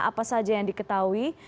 apa saja yang diketahui